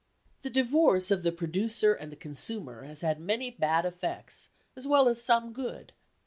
The divorce of the producer and the consumer has had many bad effects as well as some good.